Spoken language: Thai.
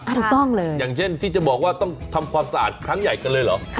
อย่างเช่นที่จะบอกว่าต้องทำความสะอาดครั้งใหญ่กันเลยหรอ